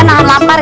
nahan lapar ya